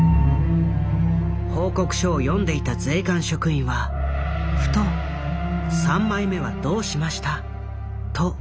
報告書を読んでいた税関職員はふと「３枚目はどうしました？」と聞いた。